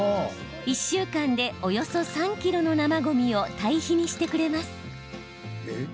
１週間でおよそ３ｋｇの生ごみを堆肥にしてくれます。